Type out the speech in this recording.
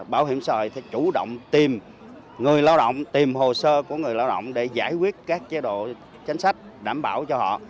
bảo hiểm xã hội chủ động tìm người lao động tìm hồ sơ của người lao động để giải quyết các chế độ chính sách đảm bảo cho họ